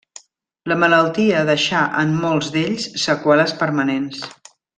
La malaltia deixà en molts d'ells seqüeles permanents.